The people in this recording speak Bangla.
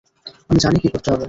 আমি জানি কী করতে হবে।